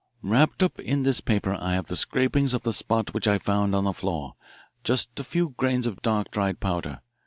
"Wrapped up in this paper I have the scrapings of the spot which I found on the floor just a few grains of dark, dried powder.